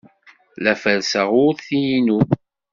La ferrseɣ urti-inu.